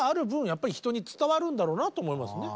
やっぱり人に伝わるんだろうなと思いますね。